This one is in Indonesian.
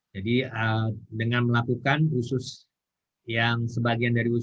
jadi dengan melakukan usus yang sebagian dari ususnya